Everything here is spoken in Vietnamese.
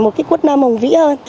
một quất lâm hồng vĩ hơn